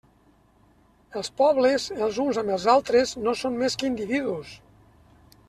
Els pobles els uns amb els altres no són més que individus.